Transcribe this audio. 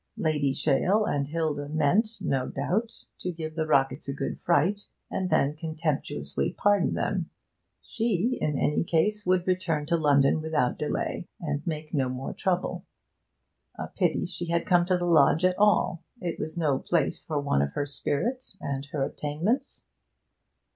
Lady Shale and Hilda meant, no doubt, to give the Rocketts a good fright, and then contemptuously pardon them. She, in any case, would return to London without delay, and make no more trouble. A pity she had come to the lodge at all; it was no place for one of her spirit and her attainments.